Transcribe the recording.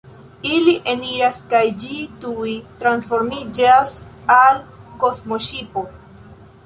Ili eniras kaj ĝi tuj transformiĝas al kosmoŝipo.